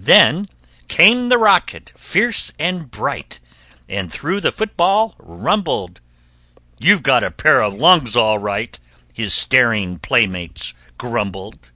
Then came the rocket, fierce and bright, And through the football rumbled. "You've got a pair of lungs, all right!" His staring playmates grumbled.